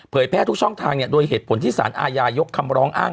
แพร่ทุกช่องทางเนี่ยโดยเหตุผลที่สารอาญายกคำร้องอ้าง